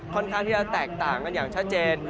ค่อนข้างที่จะแตกต่างกันอย่างชัดเจน